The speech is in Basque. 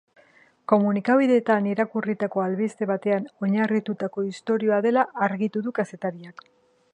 Komunikabideetan irakurritako albiste batean oinarritutako istorioa dela argitu du kazetariak.